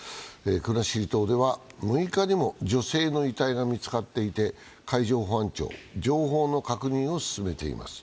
国後島では、６日にも女性の遺体が見つかっていて海上保安庁、情報の確認を進めています。